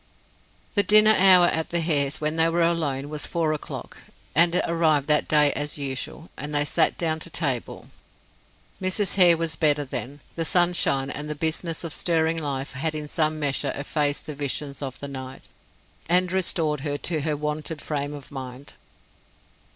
The dinner hour at the Hares', when they were alone, was four o'clock and it arrived that day as usual, and they sat down to table. Mrs. Hare was better then; the sunshine and the business of stirring life had in some measure effaced the visions of the night, and restored her to her wonted frame of mind.